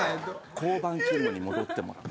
交番勤務に戻ってもらう。